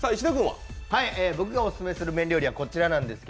僕がオススメする麺料理はこちらです。